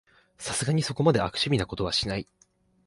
さすがにそこまで悪趣味なことはしない